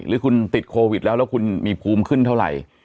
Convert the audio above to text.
หรือคุณติดโควิดแล้วแล้วคุณมีภูมิขึ้นเท่าไหร่